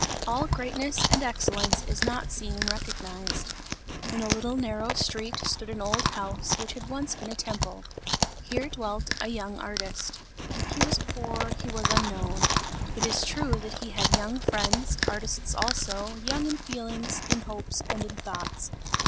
All greatness and excellence is not seen and recognized. In a little narrow street, stood an old house, which had once been a temple; here dwelt a young artist; he was poor, he was unknown; it is true that he had young friends, artists also, young in feelings, in hopes, and in thoughts.